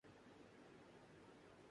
ان کو اب دیکھا نہیں جاتا۔